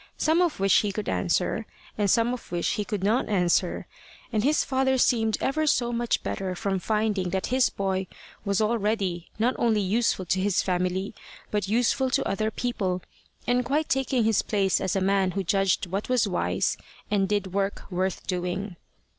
some of which he could answer, and some of which he could not answer; and his father seemed ever so much better from finding that his boy was already not only useful to his family but useful to other people, and quite taking his place as a man who judged what was wise, and did work worth doing.